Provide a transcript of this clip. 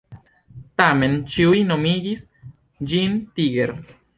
Tamen ĉiu nomigis ĝin Tiger.